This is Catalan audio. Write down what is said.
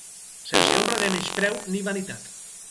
Sense ombra de menyspreu ni vanitat